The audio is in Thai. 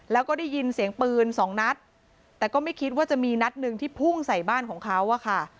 แล้วก็ได้ยินเสียงปืนสองนัดแต่ก็ไม่คิดว่าจะมีนัดหนึ่งที่พุ่งใส่บ้านของเขาอะค่ะ